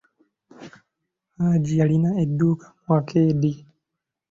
Hajji yalina edduuka mu akeedi.